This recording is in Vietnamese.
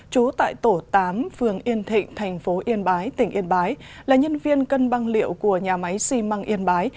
trú tại tổ tám phường yên thịnh thành phố yên bái tỉnh yên bái là nhân viên cân băng liệu của nhà máy xi măng yên bái